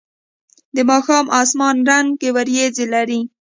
د ماښام اسمان رنګه ورېځې لرلې.